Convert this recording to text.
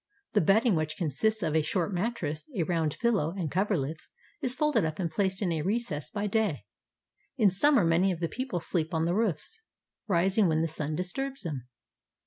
The bedding, which consists of a short mattress, a round pillow, and coverlets, is folded up and placed in a recess by day. In summer many of the people sleep on the roofs, rising when the sun disturbs them.